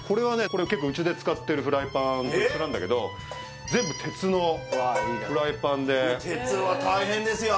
これ結構うちで使ってるフライパンと一緒なんだけど全部鉄のフライパンで鉄は大変ですよ